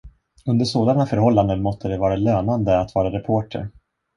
Under sådana förhållanden måtte det vara lönande att vara reporter.